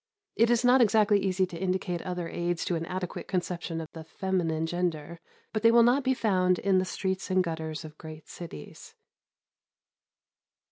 It is not exactly easy to indicate other aids to an adequate conception of the feminine gender, but they will not be found in the streets and gutters of great cities.